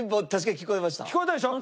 聞こえたでしょ？